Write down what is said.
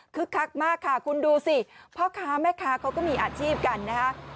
คักมากค่ะคุณดูสิพ่อค้าแม่ค้าเขาก็มีอาชีพกันนะคะ